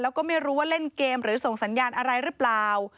แล้วก็ไม่รู้ว่าเล่นเกมหรือส่งสัญญาณอะไรหรือเปล่า